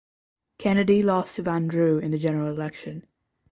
Kennedy lost to Van Drew in the general election.